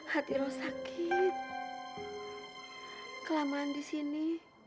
hati lo sakit kelamaan di sini